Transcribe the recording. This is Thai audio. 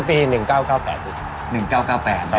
ตอนนี้หลายปีแล้วนะ